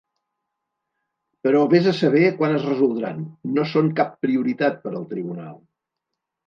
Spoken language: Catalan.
Però vés a saber quan es resoldran, no són cap prioritat per al tribunal.